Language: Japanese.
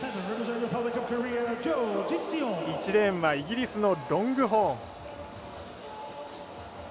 １レーンはイギリスのロングホーン。